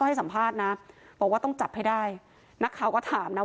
ให้สัมภาษณ์นะบอกว่าต้องจับให้ได้นักข่าวก็ถามนะ